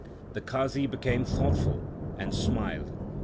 The Qazi became thoughtful, and smiled.